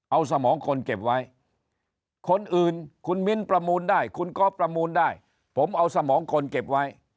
เอาสมองคนเก็บไว้คนอื่นคุณมิ้นประมูลได้คุณก๊อฟประมูลได้ผมเอาสมองคนเก็บไว้